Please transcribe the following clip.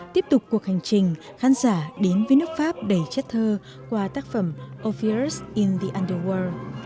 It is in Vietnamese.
tiếp tục cuộc hành trình khán giả đến với nước pháp đầy chất thơ qua tác phẩm ngoại truyền